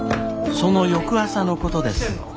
その翌朝のことです。